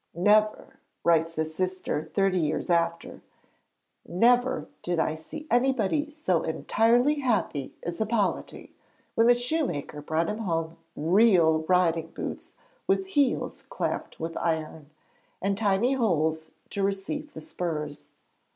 'Never,' writes his sister thirty years after, 'never did I see anybody so entirely happy as Hippolyte when the shoemaker brought him home real riding boots with heels clamped with iron, and tiny holes to receive the spurs.